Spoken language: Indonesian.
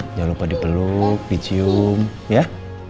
jangan lupa dipeluk dicium ya